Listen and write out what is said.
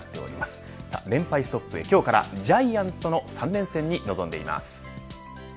ストップへ、今日からジャイアンツとの３連戦に臨んでいます。